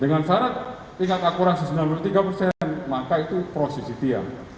dengan syarat tingkat akurasi sembilan puluh tiga persen maka itu prosesi dia